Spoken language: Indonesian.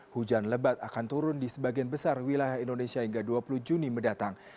hujan lebat akan turun di sebagian besar wilayah indonesia hingga dua puluh juni mendatang